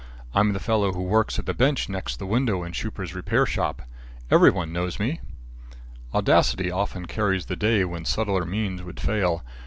I'm the fellow who works at the bench next the window in Schuper's repairing shop. Everybody knows me." Audacity often carries the day when subtler means would fail.